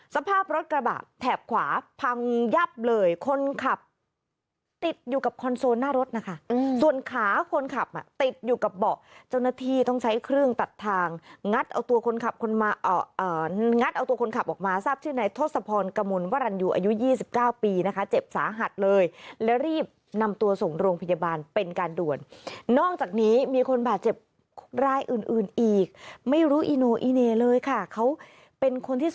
สภาพรถกระบะแถบขวาพังยับเลยคนขับติดอยู่กับคอนโซลหน้ารถนะคะส่วนขาคนขับอ่ะติดอยู่กับเบาะเจ้าหน้าที่ต้องใช้เครื่องตัดทางงัดเอาตัวคนขับคนมางัดเอาตัวคนขับออกมาทราบชื่อในทศพรกมลวรรณยูอายุ๒๙ปีนะคะเจ็บสาหัสเลยแล้วรีบนำตัวส่งโรงพยาบาลเป็นการด่วนนอกจากนี้มีคนบาดเจ็บรายอื่นอื่นอีกไม่รู้อีโนอีเน่เลยค่ะเขาเป็นคนที่ส